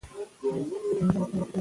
غاړه بنده وزرونه زولانه سوه